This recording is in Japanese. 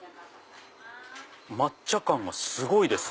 抹茶感がすごいですよ。